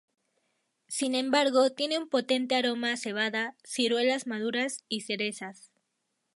Sin embargo, tiene un potente aroma a cebada, ciruelas maduras y cerezas.